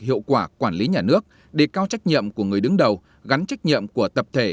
hiệu quả quản lý nhà nước đề cao trách nhiệm của người đứng đầu gắn trách nhiệm của tập thể